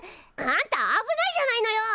あんた危ないじゃないのよ！